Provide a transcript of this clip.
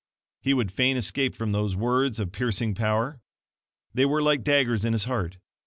He would fain escape from those words of piercing power. They were like daggers in his heart.